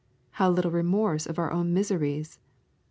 How little remorse of our own miseries!